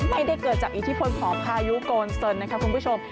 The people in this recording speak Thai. ไม่ได้เกิดจากอิทธิพลของพายุโกนเซินนะคะคุณผู้ชม